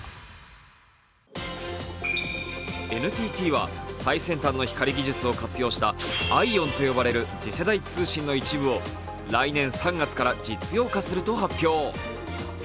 ＮＴＴは最先端の光技術を活用したＩＯＷＮと呼ばれる次世代通信の一部を来年３月から実用化すると発表。